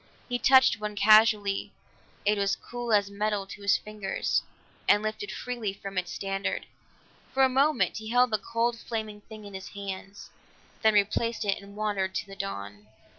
He touched one casually; it was cool as metal to his fingers, and lifted freely from its standard. For a moment he held the cold flaming thing in his hands, then replaced it and wandered into the dawn.